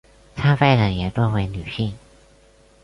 参拜者也多为女性。